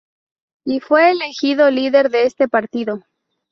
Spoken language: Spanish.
Y fue elegido líder de ese partido.